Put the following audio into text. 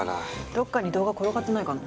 どっかに動画転がってないかな。